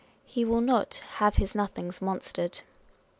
He will not " have his nothings monstered."